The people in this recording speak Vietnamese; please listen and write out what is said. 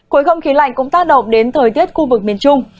khối không khí lạnh cũng tác động đến thời tiết khu vực miền trung